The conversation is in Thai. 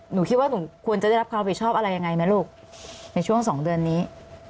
หนูคิดว่าหนูควรจะได้รับความผิดชอบอะไรยังไงนะลูกในช่วง๒เดือนนี้